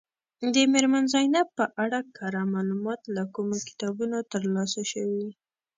د میرمن زینب په اړه کره معلومات له کومو کتابونو ترلاسه شوي.